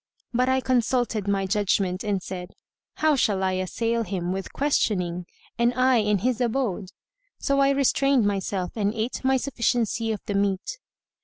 But I consulted my judgment and said, "How shall I assail him with questioning, and I in his abode?" So I restrained myself and ate my sufficiency of the meat.